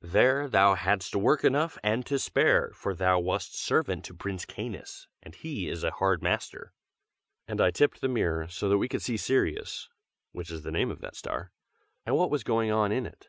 There thou hadst work enough and to spare, for thou wast servant to Prince Canis, and he is a hard master." And I tipped the mirror, so that we could see Sirius (which is the name of that star,) and what was going on in it.